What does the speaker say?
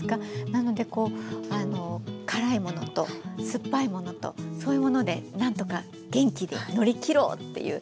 なのでこう辛いものと酸っぱいものとそういうもので何とか元気に乗り切ろう！っていう。